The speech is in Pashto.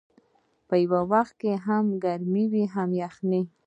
په یو وخت کې هم ګرمي وي هم یخني.